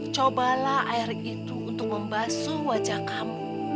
cobalah air itu untuk membasuh wajah kamu